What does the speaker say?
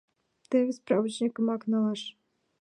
Теве справочникымак налаш.